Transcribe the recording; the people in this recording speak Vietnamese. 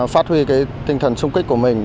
phát huy tinh thần sung kích của mình